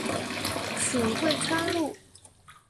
属会川路。